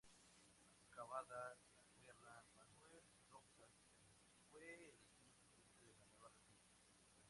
Acabada la guerra, Manuel Roxas fue elegido presidente de la nueva República.